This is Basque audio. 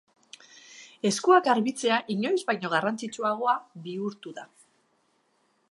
Eskuak garbitzea inoiz baino garrantzitsuagoa bihurtu da.